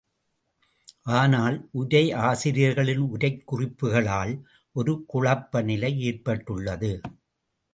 ஆனால், உரையாசிரியர்களின் உரைக் குறிப்புகளால் ஒரு குழப்ப நிலை ஏற்பட்டுள்ளது.